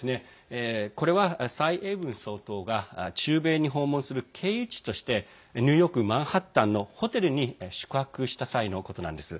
これは、蔡英文総統が中米に訪問する経由地としてニューヨーク・マンハッタンのホテルに宿泊した際のことなんです。